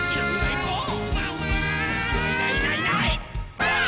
ばあっ！